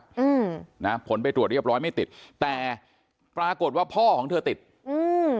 อืมนะผลไปตรวจเรียบร้อยไม่ติดแต่ปรากฏว่าพ่อของเธอติดอืม